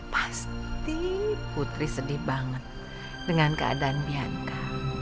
pasti putri sedih banget dengan keadaan bianka